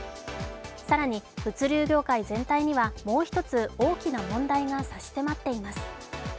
更に、物流業界全体にはもう一つ、大きな問題が差し迫っています。